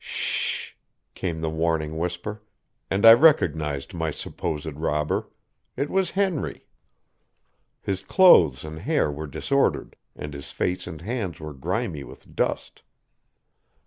"S h h!" came the warning whisper, and I recognized my supposed robber. It was Henry. His clothes and hair were disordered, and his face and hands were grimy with dust.